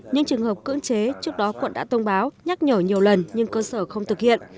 những trường hợp cưỡng chế trước đó quận đã thông báo nhắc nhở nhiều lần nhưng cơ sở không thực hiện